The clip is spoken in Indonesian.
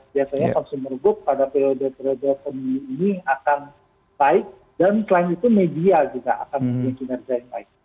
biasanya consumer good pada periode periode pemilih ini akan baik dan selain itu media juga akan bisa kinerjain baik